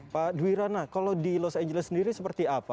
pak dwirana kalau di los angeles sendiri seperti apa